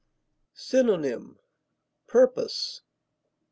Synonym: purpose.